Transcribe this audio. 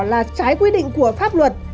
là trái quy định của pháp luật